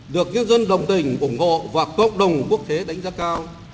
được nhân dân đồng tình ủng hộ và cộng đồng quốc tế đánh giá cao